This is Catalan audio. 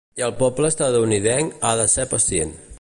I el poble estatunidenc ha de ser pacient.